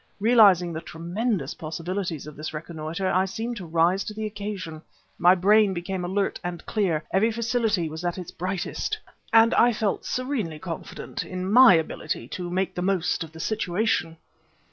Realizing the tremendous potentialities of this rencontre I seemed to rise to the occasion; my brain became alert and clear; every faculty was at its brightest. And I felt serenely confident of my ability to make the most of the situation.